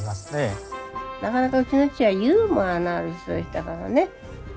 なかなかうちの父はユーモアのある人でしたからね。